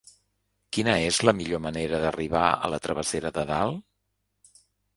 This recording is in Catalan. Quina és la millor manera d'arribar a la travessera de Dalt?